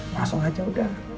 langsung aja udah